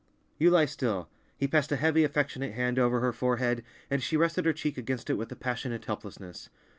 "You lie still." He passed a heavy, affectionate hand over her forehead, and she rested her cheek against it with a passionate helplessness.